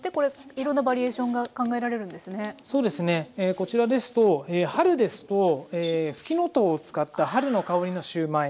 こちらですと春ですとふきのとうを使った春の香りのシューマイ。